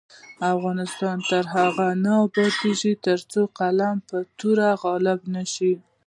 افغانستان تر هغو نه ابادیږي، ترڅو قلم پر تورې غالب نشي.